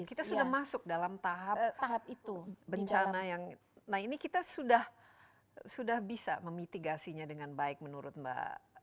kita sudah masuk dalam tahap tahap itu bencana yang nah ini kita sudah bisa memitigasinya dengan baik menurut mbak